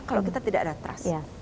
kalau kita tidak ada trust